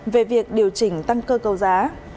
về việc điều chỉnh tăng cơ cầu giá